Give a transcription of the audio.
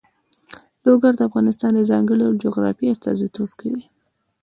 لوگر د افغانستان د ځانګړي ډول جغرافیه استازیتوب کوي.